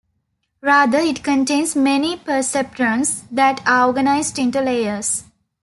Rather, it contains many perceptrons that are organized into layers.